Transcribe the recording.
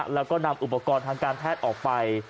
แล้วก็นำอุปกรณ์ทางการแพทย์ออกไป